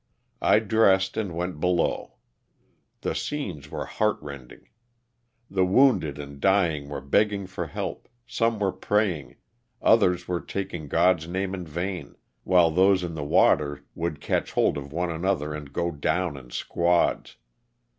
I dressed and went below. The scenes were heart rending. The wounded and dying were begging for help, some were praying, others were taking Grod's name in vain, while those in the water would catch hold of one another and go down in squads.